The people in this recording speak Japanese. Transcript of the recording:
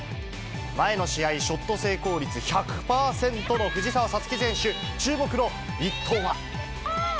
前の試合、ショット成功率１００％の藤澤五月選手。